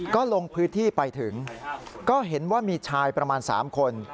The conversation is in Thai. ก็ลงพื้นที่ไปถึงก็เห็นว่ามีชายประมาณ๓คน